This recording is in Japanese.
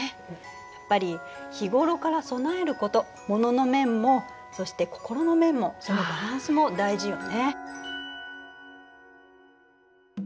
やっぱり日頃から備えること物の面もそして心の面もそのバランスも大事よね。